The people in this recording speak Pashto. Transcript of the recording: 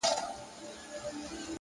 ارزښتمن ژوند له روښانه موخې پیلېږي؛